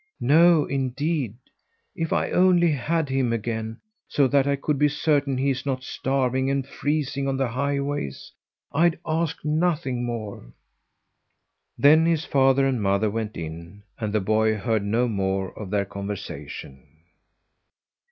"No, indeed! If I only had him again, so that I could be certain he is not starving and freezing on the highways, I'd ask nothing more!" Then his father and mother went in, and the boy heard no more of their conversation.